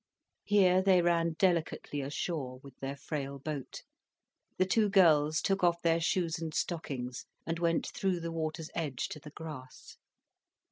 Here they ran delicately ashore, with their frail boat, the two girls took off their shoes and stockings and went through the water's edge to the grass.